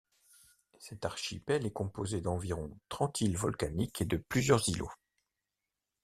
Cet archipel est composé d’environ trente îles volcaniques et de plusieurs îlots.